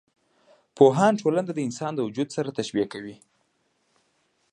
پوهان ټولنه د انسان د وجود سره تشبي کوي.